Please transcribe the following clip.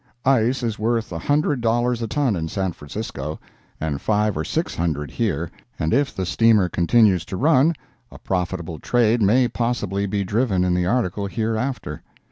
Ice is worth a hundred dollars a ton in San Francisco, and five or six hundred here, and if the steamer continues to run, a profitable trade may possibly be driven in the article here after.